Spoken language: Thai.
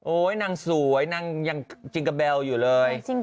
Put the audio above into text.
โอ๊ยนางสวยนางยังจริงกะแบลว์อยู่เลย